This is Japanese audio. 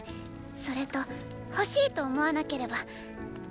それと「欲しい」と思わなければーー。